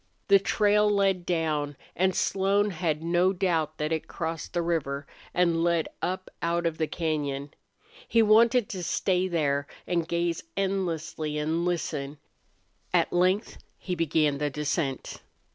The trail led down, and Slone had no doubt that it crossed the river and led up out of the cañon. He wanted to stay there and gaze endlessly and listen. At length he began the descent.